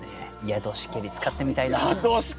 「宿しけり」使ってみたいな！